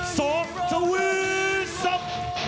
สวัสดีครับ